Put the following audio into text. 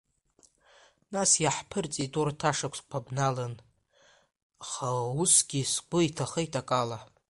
Нас, иаҳԥырҵит урҭ ашықәсқәа бналан, аха усгьы сгәы иҭахеит акала…